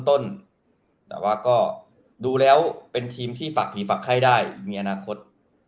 แต่ว่าก็ดูแล้วเป็นทีมที่ฝักผีฝักไข้ได้มีอนาคต